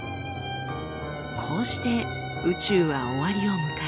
こうして宇宙は終わりを迎える。